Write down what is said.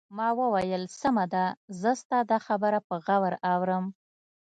ما وویل: سمه ده، زه ستا دا خبره په غور اورم.